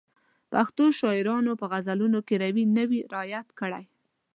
پښتو شاعرانو په غزلونو کې روي نه وي رعایت کړی.